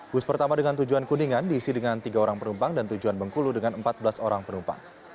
bus pertama dengan tujuan kuningan diisi dengan tiga orang penumpang dan tujuan bengkulu dengan empat belas orang penumpang